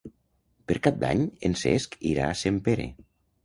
Per Cap d'Any en Cesc irà a Sempere.